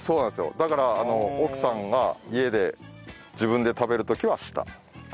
だから奥さんが家で自分で食べる時は下。